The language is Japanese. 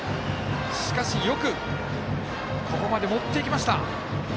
しかし、よくここまでもっていきました。